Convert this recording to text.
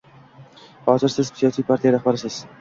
Hozir siz siyosiy partiya rahbarisiz